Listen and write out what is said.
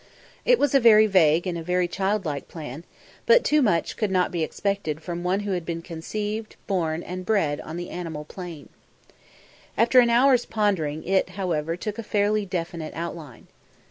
It was a very vague and a very childlike plan, but too much could not be expected from one who had been conceived, born and bred on the animal plane. After an hour's pondering it, however, took a fairly definite outline.